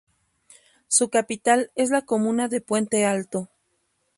Su capital es la comuna de Puente Alto.